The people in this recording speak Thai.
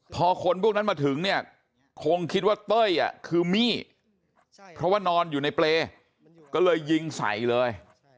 พอคนพวกนั้นมาถึงเนี่ยคงคิดว่าเต้ยคือมี่เพราะว่านอนอยู่ในเปรย์ก็เลยยิงใส่เลย